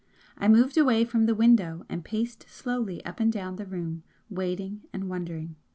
I moved away from the window and paced slowly up and down the room, waiting and wondering.